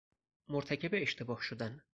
مرتکب اشتباه شدن